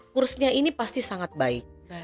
kursnya ini pasti sangat baik